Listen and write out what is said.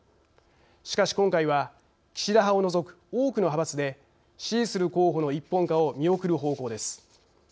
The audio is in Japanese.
しかし、今回は岸田派を除く多くの派閥で支持する候補の一本化を見送る方向です。